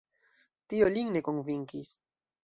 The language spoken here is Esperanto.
Tio lin ne konvinkis.